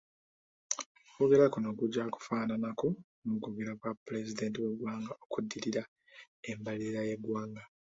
Okwogera kuno kujja kufaafananako n'okwogera kwa Pulezidenti w'eggwanga okuddirira embalirira y'eggwanga.